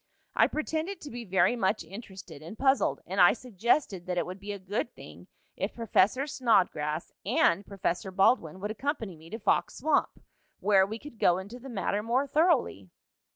"I pretended to be very much interested and puzzled, and I suggested that it would be a good thing if Professor Snodgrass and Professor Baldwin would accompany me to Fox Swamp, where we could go into the matter more thoroughly."